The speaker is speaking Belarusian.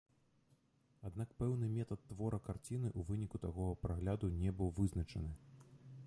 Аднак пэўны метад твора карціны ў выніку такога прагляду не быў вызначаны.